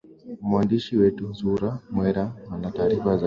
mwandishi wetu zuhra mwera ana taarifa zaidi